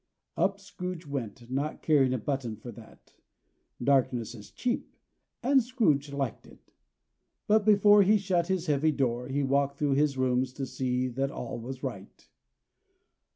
Up Scrooge went, not caring a button for that. Darkness is cheap, and Scrooge liked it. But before he shut his heavy door, he walked through his rooms to see that all was right.